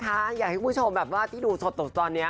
อยากให้คุณผู้ชมที่รูตตรงเติมนี้